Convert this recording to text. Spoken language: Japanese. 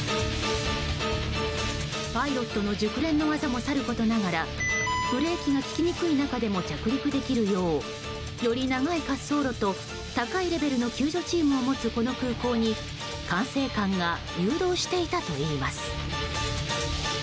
パイロットの熟練の技もさることながらブレーキが利きにくい中でも着陸できるようより長い滑走路と高いレベルの救助チームを持つこの空港に、管制官が誘導していたといいます。